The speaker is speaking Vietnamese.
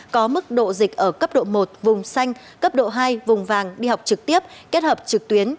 có mức độ dịch ở cấp độ một vùng xanh cấp độ hai vùng vàng đi học trực tiếp kết hợp trực tuyến